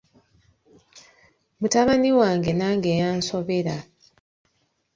Mutabani wange nange yansobera.